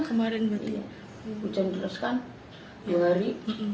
hujan terus kan dua hari